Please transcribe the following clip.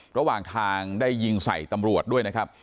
ระหว่างทางได้ยิงใส่ตำรวจด้วยนะครับ